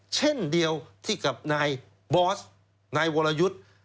เช่นเดียวที่กับนายบอสนายวรยุทธ์